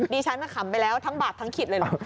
ดิฉันขำไปแล้วทั้งบาดทั้งขิดเลยเหรอ